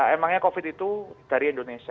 emangnya covid itu dari indonesia